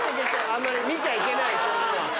あんまり見ちゃいけないこういうのは。